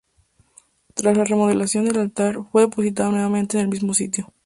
Tras la remodelación del altar, fue depositada nuevamente en el mismo sitio.